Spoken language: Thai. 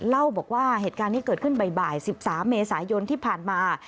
เล่าบอกว่าเหตุการณ์ที่เกิดขึ้นบ่าย๑๓เมษายนที่ผ่านมา